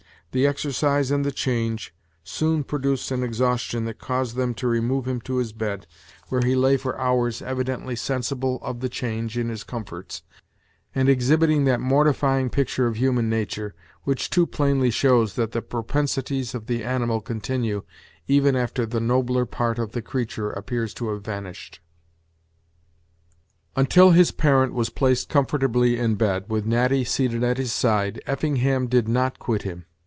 The exercise and the change soon produced an exhaustion that caused them to remove him to his bed, where he lay for hours, evidently sensible of the change in his comforts, and exhibiting that mortifying picture of human nature, which too plainly shows that the propensities of the animal continue even after the nobler part of the creature appears to have vanished. Until his parent was placed comfortably in bed, with Natty seated at his side, Effingham did not quit him.